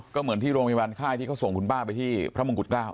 ก็เหมือนที่โรงพยาบาลค่ายที่เขาส่งคุณป้าไปที่พระมงกุฎเกล้า